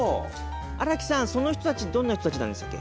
荒木さんその人たちどんな人たちなんでしたっけ？